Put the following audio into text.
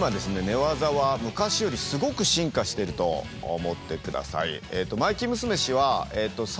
寝技は昔よりすごく進化してると思って下さい。